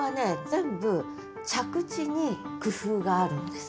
全部着地に工夫があるんです。